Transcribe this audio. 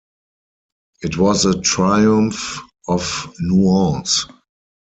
It was a triumph of nuance.